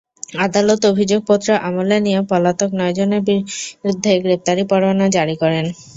আদালত অভিযোগপত্র আমলে নিয়ে পলাতক নয়জনের বিরুদ্ধে গ্রেপ্তারি পরোয়ানা জারি করেন।